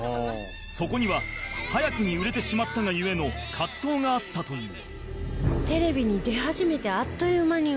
そこには早くに売れてしまったが故の葛藤があったという